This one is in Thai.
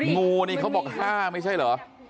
งูนี่เขาบอก๕ไม่ใช่เหรอ